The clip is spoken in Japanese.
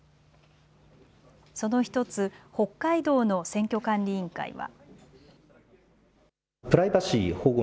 その１つ、北海道の選挙管理委員会は。